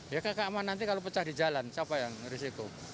ya kakak aman nanti kalau pecah di jalan siapa yang risiko